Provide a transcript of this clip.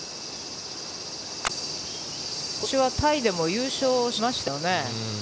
ことしはタイでも優勝しましたよね。